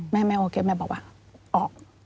แม่แม่โอเคแม่บอกว่าออก